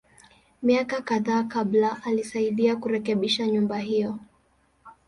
Miaka kadhaa kabla, alisaidia kurekebisha nyumba hiyo.